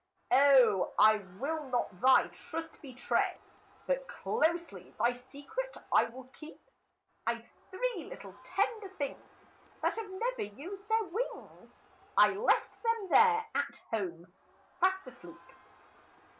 O! I will not thy trust betray, But closely thy secret I will keep. "I 've three little tender things, That have never used their wings! I left them there, at home, fast asleep."